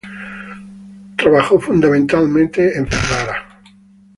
Trabajó fundamentalmente en Ferrara.